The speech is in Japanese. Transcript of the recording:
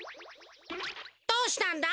どうしたんだ？